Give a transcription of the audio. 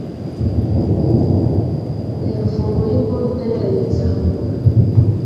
yafunguye imbunda ye arayizamura.